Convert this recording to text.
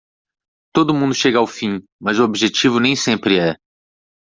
Todo mundo chega ao fim, mas o objetivo nem sempre é.